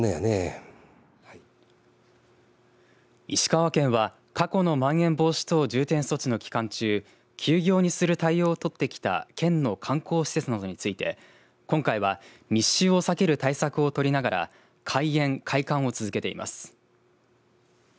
石川県は過去のまん延防止等重点措置の期間中休業にする対応を取ってきた県の観光施設などについて今回は密集を避ける対策をとりながら開園、開館を続けています。